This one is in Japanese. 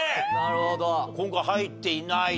今回入っていないと。